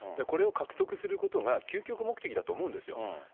これを獲得することが、究極目的だと思うんですよ。